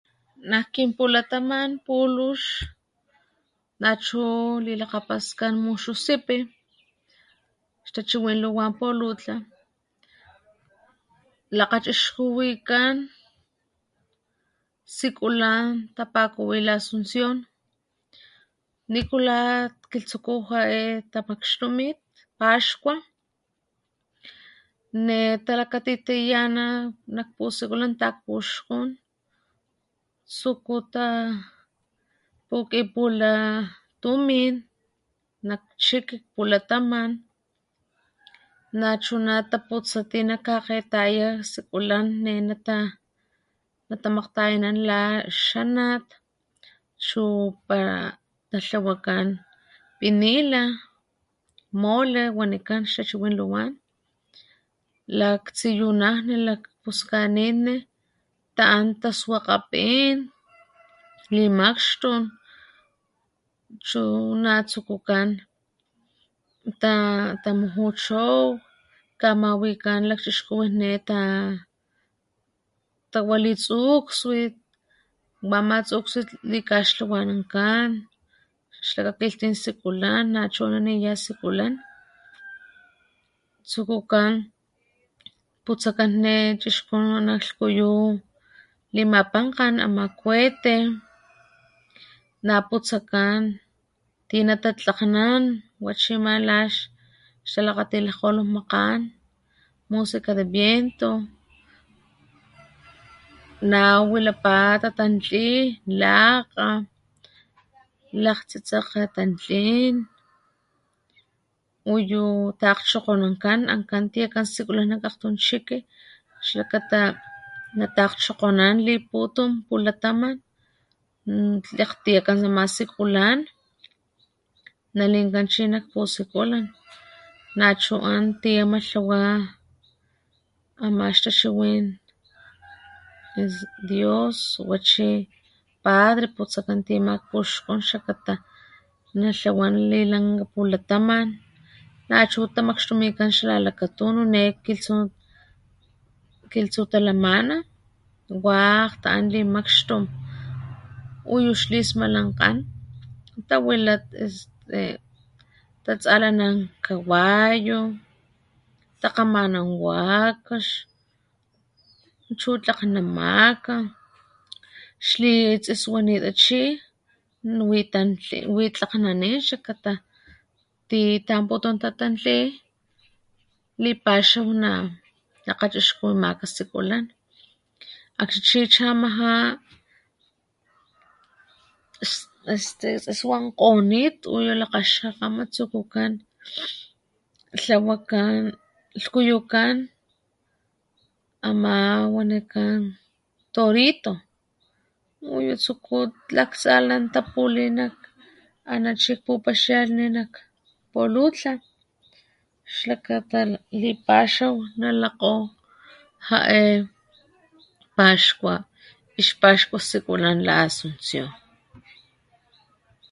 Nak kin pulataman pulux nachu lilakgapaskan muxusipi xtachiwin luwan Polutla, lakgachixkuwikán sikulán tapakuwi La Asunción ¿nikula kilhtsuku ja’e tamaxtumit paxkua? ne talakatitayana nak pusikulan takpuxkún tsuku tapukipula tumin nak chiki pulataman, nachuna taputsa tinakakgetaya sikulan ne nata natamakgtayanan la xanat chu pala natlawakán pinila mole wanikan xtachiwin luwan laktsiyunajli, lakgpuskanitni ta’an taswakga pin limakxtun chu natsukukan ta tamuju chow kamawikan lakchixkuwin ne ta tawali tsukswit wama tsukswit likaxtlawanankán xlakakilhtin sikulan na chuna ana ni ya sikulán tsukukan putsakan ne chixku nalhkuyu limapankgan ama cohete na putsakan tinatatlakgnan wa chima lax xtalakgati lajkgolon makgán música de viento na wilapá tatantlí lakga, lakgtsitsekge tantlin uyu takgchokgonankan ankan tiyakan sikula nán nak tun chiki xlakata natakgchokgonan liputum pulataman tlakgtiyakan nama sikulan nalinkan chi nak pusikulan nachu an ti ama tlawa ama xtachiwín es dios wa chi padre putsakan ti ama akpuxkun xakata na lhawan li lanka pulataman nachu tamaxtumikan xalakatunu ne kilhsu kilhtsutalamana wakg ta'an limakxtum uyu xlismalankgan tawila este tatsalanan kawayu, takgamanan wakax chu tlakgnamaka xli stiswanitachi wi tlakgnanin xlakata titanputum tatantli lipaxaw na lakgachixkuwimaka sikulan akxn chi chamajá est este stiswankgonit uyu lakgaxkgakgama tsukukán tlawakán lhkuyukán amá wanikán torito uyu tsuku laktsalanantapuli nak ana chi pupaxialhni nak Polutla xlakata lipaxaw na lakgo ja’e paxkua, ixpaxkua sikulan La Asunción.